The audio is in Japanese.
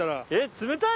冷たい！